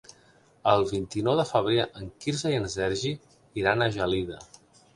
El vint-i-nou de febrer en Quirze i en Sergi iran a Gelida.